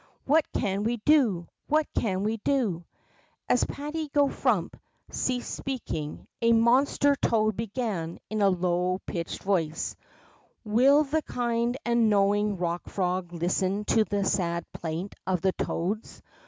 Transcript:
What can we do ? What can we do ?'' As Patty go Frump ceased speaking, a monster toad began in a low pitched voice : Will the kind and knowing Pock Frog listen to the sad plaint of the toads?